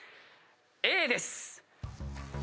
Ａです。